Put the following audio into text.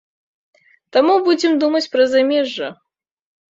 Таму будзем думаць пра замежжа.